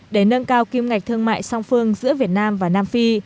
để nâng cao kim ngạch thương mại song phương giữa việt nam và nam phi